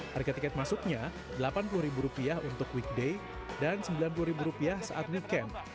harga tiket masuknya rp delapan puluh untuk weekday dan rp sembilan puluh saat weekend